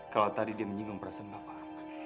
kalau tadi dia menyinggung perasaan bapak